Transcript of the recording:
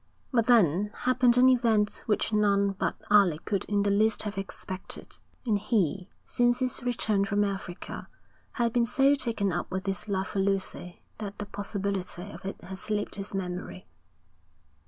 But then happened an event which none but Alec could in the least have expected; and he, since his return from Africa, had been so taken up with his love for Lucy, that the possibility of it had slipped his memory.